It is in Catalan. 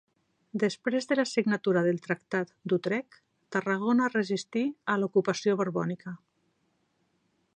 Després de la signatura del Tractat d'Utrecht, Tarragona resistí a l'ocupació borbònica.